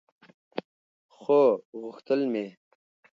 خو غوښتل مې